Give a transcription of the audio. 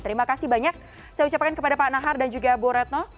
terima kasih banyak saya ucapkan kepada pak nahar dan juga bu retno